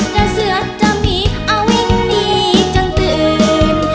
แต่เสือจะมีอาวินดีจนตื่น